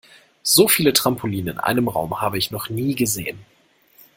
So viele Trampoline in einem Raum habe ich noch nie gesehen.